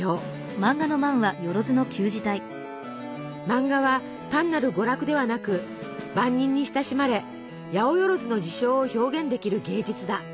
マンガは単なる娯楽ではなく万人に親しまれやおよろずの事象を表現できる芸術だ。